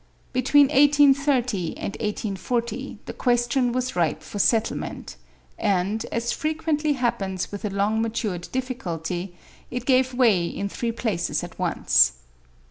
Between 1830 and 1840 the question was ripe for settlement, and, as frequently happens with a long matured difficulty, it gave way in three places at once.